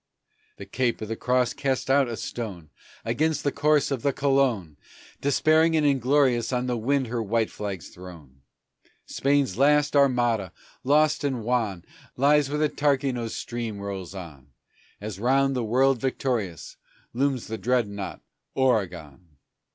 The Cape o' the Cross casts out a stone Against the course of the Colon, Despairing and inglorious on the wind her white flag's thrown; Spain's last Armada, lost and wan, Lies where Tarquino's stream rolls on, As round the world, victorious, looms the dreadnaught Oregon.